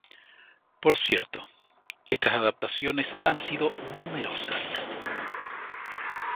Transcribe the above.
Por cierto, estas adaptaciones han sido numerosas.